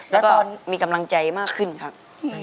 แล้วก็มีกำลังใจมากขึ้นครับ